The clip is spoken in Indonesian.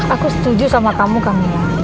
aku setuju sama kamu kamila